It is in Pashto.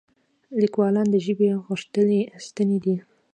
لیکوالان د ژبې غښتلي ستني دي.